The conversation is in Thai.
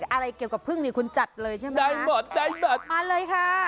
อะไรเกี่ยวกับผึ้งคุณจัดเลยใช่ไหมนะได้หมดมาเลยค่ะ